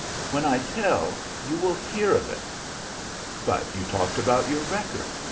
"When I tell, you will hear of it." "But you talked about your record."